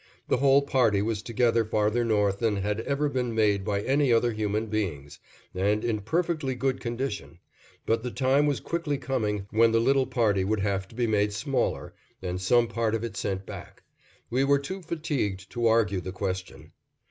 The whole party was together farther north than had ever been made by any other human beings, and in perfectly good condition; but the time was quickly coming when the little party would have to be made smaller and some part of it sent back. We were too fatigued to argue the question.